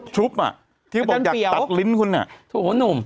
ชุบอะที่บอกอยากตัดลิ้นคุณนี่โอ้โฮหนุ่ม